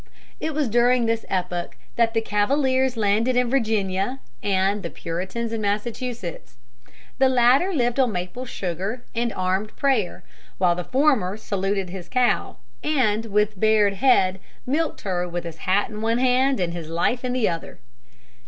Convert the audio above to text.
] It was during this epoch that the Cavaliers landed in Virginia and the Puritans in Massachusetts; the latter lived on maple sugar and armed prayer, while the former saluted his cow, and, with bared head, milked her with his hat in one hand and his life in the other.